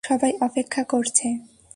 সবাই অপেক্ষা করছে।